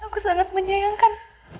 aku sangat menyayangkan